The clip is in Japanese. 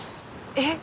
えっ？